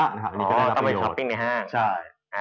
อ๋อต้องไปคอปปิ้งในห้าง